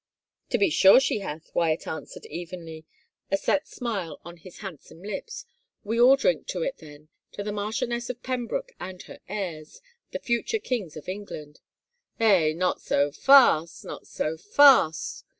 " To be sure she hath," Wyatt answered evenly, a set smile on his handsome lips. " We all drink to it, then — to the Marchioness of Pembroke and her heirs — the future kings of England 1 "" Eh, not so fast, not so fast